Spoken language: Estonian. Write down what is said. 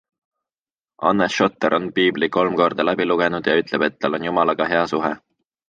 Anne Schotter on Piibli kolm korda läbi lugenud ja ütleb, et tal on Jumalaga hea suhe.